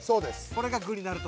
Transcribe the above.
これが具になると。